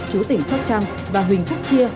chú tỉnh sóc trăng và huỳnh phúc chia